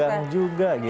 deg degan juga gitu